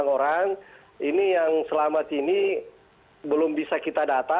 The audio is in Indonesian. satu ratus tiga puluh sembilan orang ini yang selamat ini belum bisa kita data